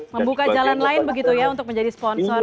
membuka jalan lain begitu ya untuk menjadi sponsor